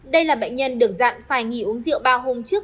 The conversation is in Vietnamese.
đây là bệnh nhân được dặn phải nghỉ uống rượu ba hôm trước